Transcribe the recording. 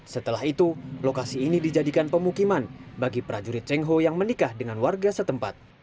setelah itu lokasi ini dijadikan pemukiman bagi prajurit cheng ho yang menikah dengan warga setempat